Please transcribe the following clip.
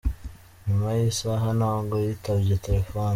Nyuma y’isaha ntabwo yitabye telefoni.